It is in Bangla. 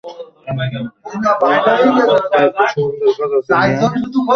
আমার দেহও ঈশ্বর, আমার মনও ঈশ্বর, আমার আত্মাও ঈশ্বর।